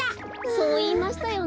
そういいましたよね。